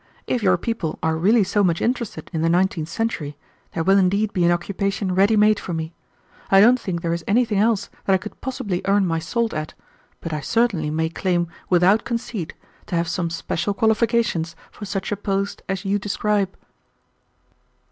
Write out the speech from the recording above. "If your people are really so much interested in the nineteenth century, there will indeed be an occupation ready made for me. I don't think there is anything else that I could possibly earn my salt at, but I certainly may claim without conceit to have some special qualifications for such a post as you describe."